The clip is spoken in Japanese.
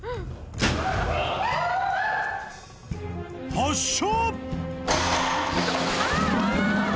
発射。